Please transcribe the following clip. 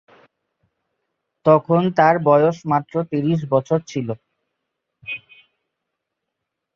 তখন তার বয়স মাত্র তিরিশ বছর ছিল।